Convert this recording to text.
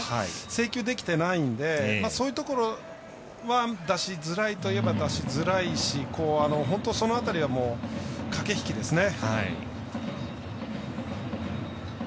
制球できてないのでそういうところは出しづらいといえば出しづらいし、その辺りは駆け引きですね。